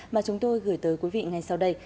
mà chúng tôi gửi tới quý vị ngay sau đây